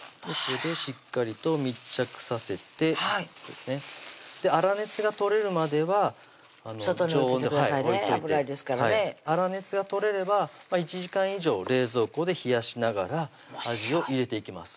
しっかりと密着させてはい粗熱が取れるまでは常温で置いといて粗熱が取れれば１時間以上冷蔵庫で冷やしながらおもしろい味を入れていきます